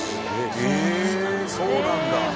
へぇそうなんだ。